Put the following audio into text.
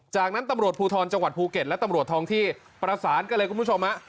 จากนั้นตำรวจภูทรจังหวัดภูเก็ตและตำรวจทองที่ประสานกันเลยคุณผู้ชมฮะ